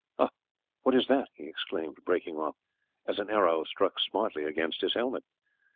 "Ah! what is that?" he exclaimed, breaking off, as an arrow struck smartly against his helmet.